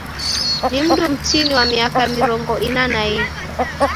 Ni mndu mtini wa miaka mirongo ina na iw'i.